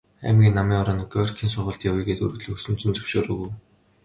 Аймгийн Намын хороонд Горькийн сургуульд явъя гээд өргөдөл өгсөн чинь зөвшөөрөөгүй.